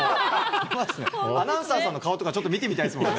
出ますね、アナウンサーさんの顔とか、ちょっと見てみたいですもんね。